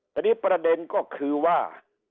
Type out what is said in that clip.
สัดิประเด็นก็คือว่า